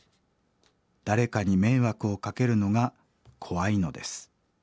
誰かに迷惑をかけるのが怖いのです。